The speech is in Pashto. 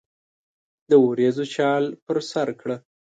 د وریځو شال پر سرکړه